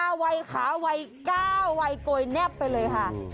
ตาวัยขาวัยก้าววัยโกยแน็บไปเลยค่ะ